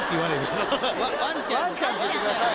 ワンちゃんって言ってください